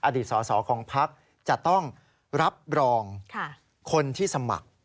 อดีตสอสอของพักจะต้องรับรองคนที่สมัคร